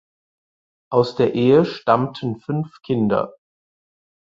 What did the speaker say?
Aus der Ehe stammten fünf Kinder.